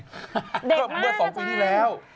เด็กมากอาจารย์เมื่อสองปีนี้แล้ว